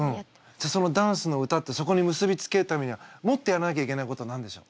じゃあそのダンス歌ってそこに結び付けるためにはもっとやらなきゃいけないことは何でしょう？